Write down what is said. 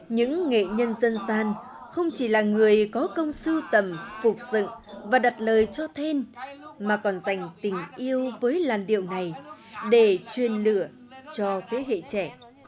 những nghệ nhân dân gian không chỉ là người có công sưu tầm phục dựng và đặt lời cho then mà còn dành tình yêu với làn điệu này để truyền lửa cho thế hệ trẻ